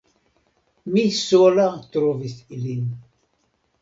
Mi sola trovis ilin.